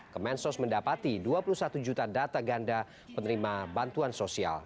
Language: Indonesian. kemensos mendapati dua puluh satu juta data ganda penerima bantuan sosial